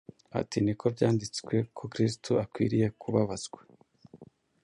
Ati: “Ni ko byanditswe ko Kristo akwiriye kubabazwa